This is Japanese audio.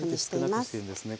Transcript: あえて少なくしてるんですね。